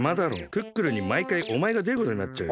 クックルンにまいかいおまえがでることになっちゃうよ。